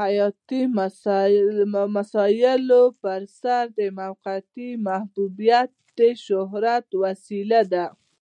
حیاتي مسایلو پرسر موقتي محبوبیت د شهرت وسیله ده.